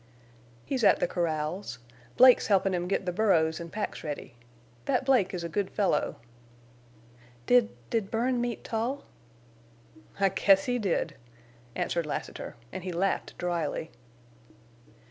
"He's at the corrals. Blake's helpin' him get the burros an' packs ready. That Blake is a good fellow." "Did—did Bern meet Tull?" "I guess he did," answered Lassiter, and he laughed dryly.